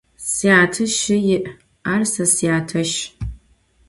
Syate şşı yi', ar se syateşş.